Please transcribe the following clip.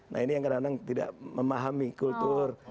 nah ini yang kadang kadang tidak memahami kultur